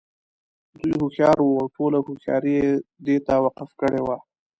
دى هوښيار وو او ټوله هوښياري یې دې ته وقف کړې وه.